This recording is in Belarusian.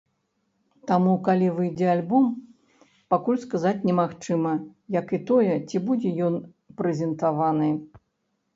Таму, калі выйдзе альбом, пакуль сказаць немагчыма, як і тое, ці будзе ён прэзентаваны.